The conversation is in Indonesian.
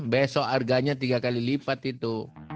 besok harganya tiga kali lipat itu